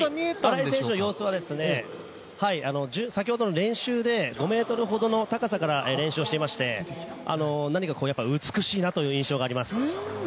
荒井選手の様子は先ほどの練習で５ｍほどの高さから練習していまして美しいなという印象があります。